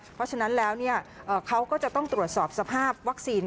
เพราะฉะนั้นแล้วเขาก็จะต้องตรวจสอบสภาพวัคซีน